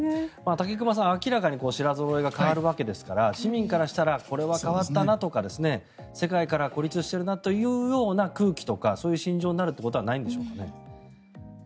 武隈さん、明らかに品ぞろえが変わるわけですから市民からしたらこれは変わったなとか世界から孤立しているなというような空気とかそういう心情になるということはないんでしょうかね。